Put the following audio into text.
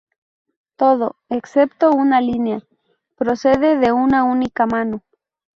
Todo, excepto una línea, procede de una única mano.